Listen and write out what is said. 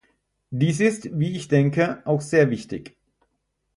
Dies ist, wie ich denke, auch sehr wichtig.